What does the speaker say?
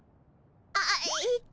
あっえっと